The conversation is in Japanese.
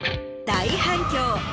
大反響。